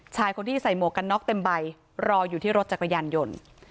ชายคนที่ใส่หมวกกันน็อกเต็มใบรออยู่ที่รถจักรยานยนต์